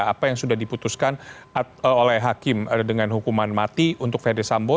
apa yang sudah diputuskan oleh hakim dengan hukuman mati untuk fede sambo